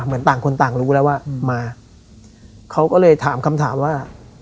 เหมือนต่างคนต่างรู้แล้วว่ามาเขาก็เลยถามคำถามว่า